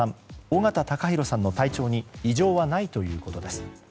尾形貴弘さんの体調に異常はないということです。